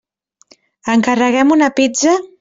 Encarreguem una pizza?